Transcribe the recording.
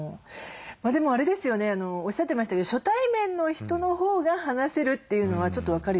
でもあれですよねおっしゃってましたけど初対面の人のほうが話せるというのはちょっと分かるような気がして。